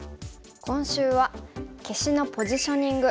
今週は「消しのポジショニング」。